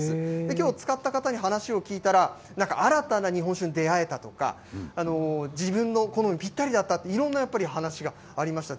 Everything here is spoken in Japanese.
きょう使った方に話を聞いたら、なんか新たな日本酒に出会えたとか、自分の好みにぴったりだったと、いろんなやっぱり話がありました。